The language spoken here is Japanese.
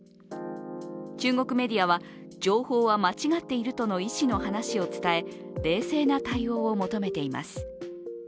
中国メディアは、情報は間違っているとの医師の話を伝え、冷静な対応を求めています。